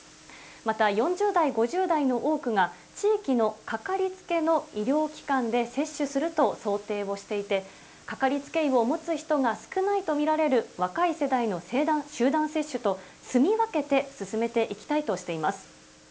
また４０代、５０代の多くが、地域の掛かりつけの医療機関で接種すると想定をしていて、掛かりつけ医を持つ人が少ないと見られる若い世代の集団接種と、住み分けて進めていきたいとしています。